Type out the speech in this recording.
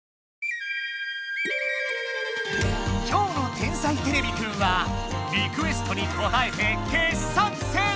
今日の「天才てれびくん」はリクエストにこたえて傑作選！